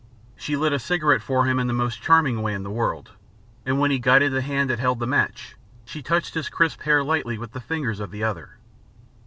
She lit a cigarette for him in the most charming way in the world, and when he guided the hand that held the match, she touched his crisp hair lightly with the fingers of the other.